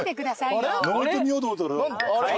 上って見ようと思ったら。